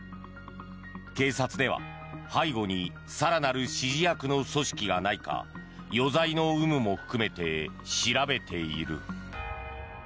警察では背後に更なる指示役の組織がないか余罪の有無も含めて調べている。